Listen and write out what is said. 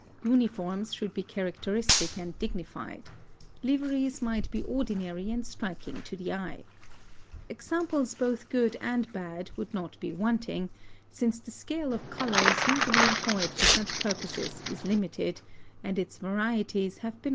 Uniforms should be characteristic and dignified; liveries might be ordinary and striking to the eye. Examples both good and bad would not be wanting, since the scale of colours usually employed for such purposes is limited, and its varieties have been often enough tried.